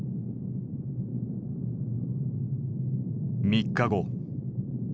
３日後。